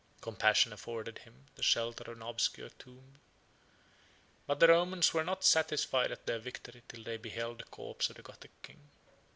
Compassion afforded him the shelter of an obscure tomb; but the Romans were not satisfied of their victory, till they beheld the corpse of the Gothic king.